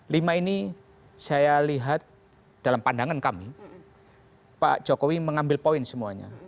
lima ini saya lihat dalam pandangan kami pak jokowi mengambil poin semuanya